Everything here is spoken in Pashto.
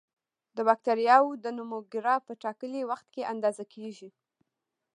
د بکټریاوو د نمو ګراف په ټاکلي وخت کې اندازه کیږي.